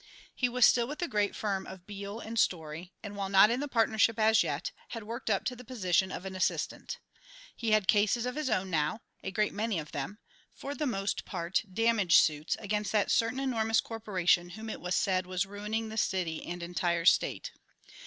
He was still with the great firm of Beale & Storey, and while not in the partnership as yet, had worked up to the position of an assistant. He had cases of his own now, a great many of them, for the most part damage suits against that certain enormous corporation whom it was said was ruining the city and entire state.